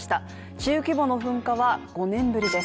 中規模の噴火は５年ぶりです